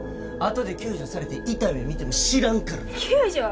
あとで救助されて痛い目見ても知らんからな救助？